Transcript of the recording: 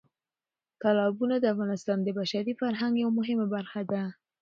تالابونه د افغانستان د بشري فرهنګ یوه مهمه برخه ده.